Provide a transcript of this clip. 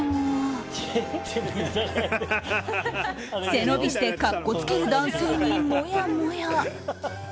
背伸びして格好つける男性にもやもや。